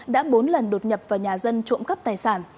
đã bốn lần đột nhập vào nhà dân trộm cắp tài sản